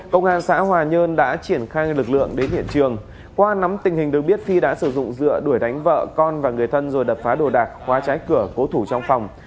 công an xã hòa nhơn đã triển khai lực lượng đến hiện trường qua nắm tình hình được biết phi đã sử dụng dựa đuổi đánh vợ con và người thân rồi đập phá đồ đạc khóa trái cửa cố thủ trong phòng